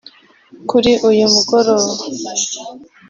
Kuri uyu mugoroba